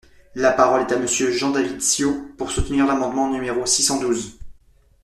La parole est à Monsieur Jean-David Ciot, pour soutenir l’amendement numéro six cent douze.